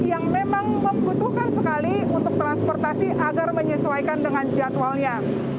yang memang membutuhkan sekali untuk transportasi agar menyesuaikan dengan jadwalnya